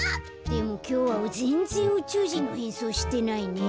でもきょうはぜんぜんうちゅうじんのへんそうしてないね。